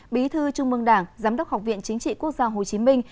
bí thư trung mương đảng giám đốc học viện chính trị quốc gia hồ chí minh